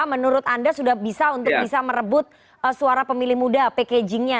menurut anda sudah bisa untuk bisa merebut suara pemilih muda packagingnya